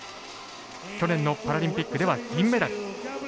去年のパラリンピックでは銀メダル。